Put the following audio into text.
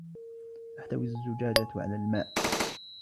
تحتوي الزجاجة على الماء.